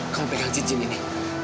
kamu pegang cincin ini